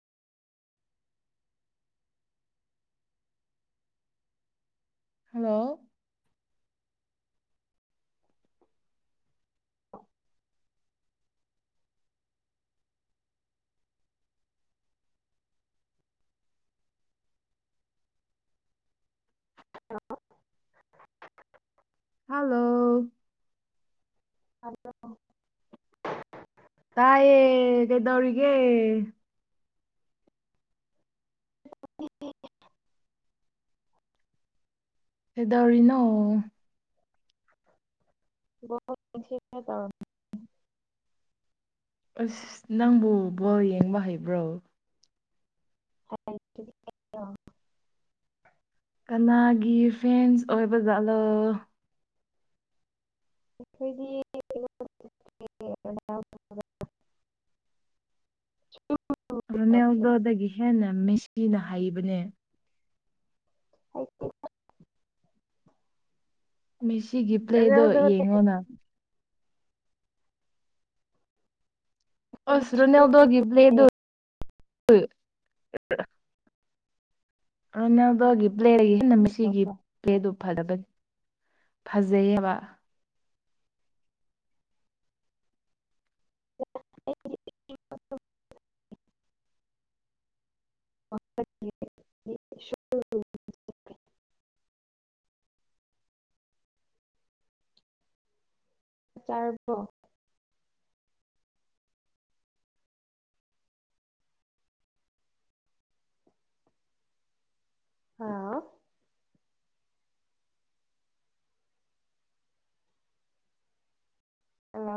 hello hello ꯑꯗ [inaudible] ꯇꯥꯏꯌꯦ ꯀꯩꯗꯧꯔꯤꯒꯦ ꯀꯗꯧꯔꯤꯅꯣ ꯇ [inaudible] ꯑꯁ ꯅꯪꯕꯨ ꯕꯣꯔ ꯌꯦꯡꯕ ꯍꯩꯕ꯭ꯔꯣ ꯍꯩ ꯀꯅꯥꯒꯤ ꯐꯦꯟꯁ ꯑꯣꯏꯕꯖꯠꯂꯣ ꯑꯩꯈꯣꯏꯗꯤ ꯔꯣꯅꯦꯜꯗꯣꯗꯒꯤ ꯍꯦꯟꯅ ꯃꯦꯁꯤꯅ ꯍꯩꯕꯅꯦ ꯍꯩꯇꯦ ꯃꯤꯦꯁꯤꯒꯤ ꯄ꯭ꯂꯦꯗꯣ ꯌꯦꯡꯉꯣꯅ ꯑꯣꯁꯔꯨ ꯅꯜꯗꯒꯤꯕ꯭ꯂꯦꯗꯨ ꯑꯗꯨꯅꯗꯒꯤ ꯄ꯭ꯂꯦꯔꯒꯤꯃꯤꯁꯤꯒꯤ ꯄꯦꯗꯨ ꯐꯕꯅꯤ ꯐꯖꯩꯌꯦꯕ [inaudible] ꯆꯥꯔꯕꯣ ꯍꯥꯜꯂꯣ